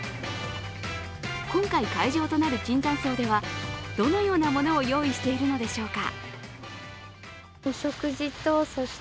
今回、会場となる椿山荘ではどのようなものを用意しているのでしょうか。